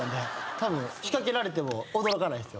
たぶん仕掛けられても驚かないっすよ。